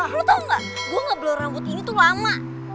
lo tau gak gue ngeblor rambut ini tuh lama